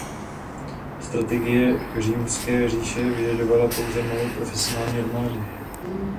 Strategie římské říše vyžadovala pouze malou profesionální armádu.